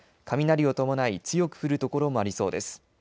雷を伴い強く降る所もありそうです。